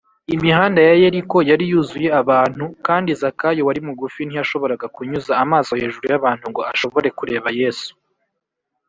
imihanda ya yeriko yari yuzuye abantu, kandi zakayo wari mugufi ntiyashoboraga kunyuza amaso hejuru y’abantu ngo ashobore kureba yesu